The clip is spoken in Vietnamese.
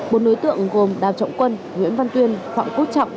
một đối tượng gồm đàm trọng quân nguyễn văn tuyên phạm quốc trọng